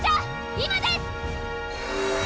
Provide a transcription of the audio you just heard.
今です！